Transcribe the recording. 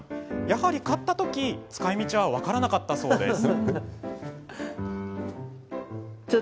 やはり買った時、使いみちは分からなかったそうです。